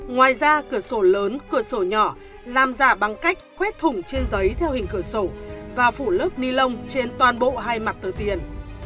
ngoài ra cửa sổ lớn cửa sổ nhỏ làm giả bằng cách khuét thủng trên giấy theo hình cửa sổ và phủ lớp ni lông trên toàn bộ hai mặt tờ tiền